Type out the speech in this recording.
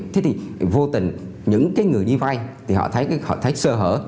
thế thì vô tình những cái người đi vay thì họ thấy sơ hở